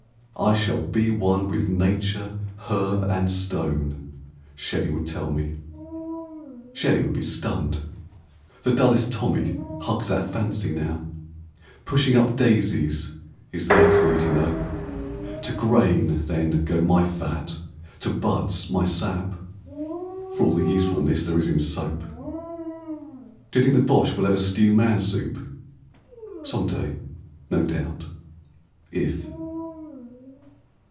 I shall be one with nature, herb, and stone." 57 A Terre. Shelley would tell me. Shelley would be stunned ; The dullest Tommy hugs that fancy now. " Pushing up daisies " is their creed you know. To grain, then, go my fat, to buds my sap, For all the usefulness there is in soap. D'you think the Boche will ever stew man soup ? Some day, no doubt, if